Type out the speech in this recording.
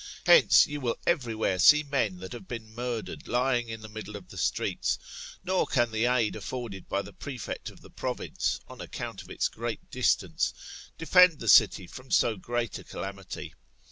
Hence, you will every where see men that have been murdered lying in the middle of the streets ; nor can the aid afforded by the prefect of the province, on account of its great distance, defend the city from so great a calamity.